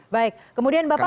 baik kemudian bapak